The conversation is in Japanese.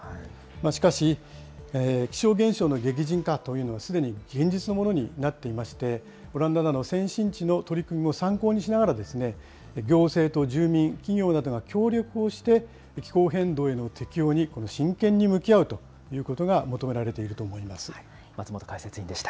しかし、気象現象の激甚化というのは、すでに現実のものになっていまして、オランダなど先進地の取り組みも参考にしながら、行政と住民、企業などが協力をして、気候変動への適応に真剣に向き合うということが求められていると松本解説委員でした。